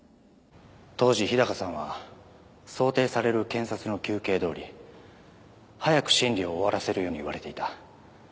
当時日高さんは想定される検察の求刑どおり早く審理を終わらせるように言われていた